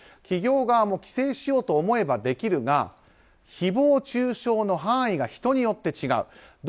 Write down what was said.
企業側も規制しようと思えばできるが誹謗中傷の範囲が人によって違う。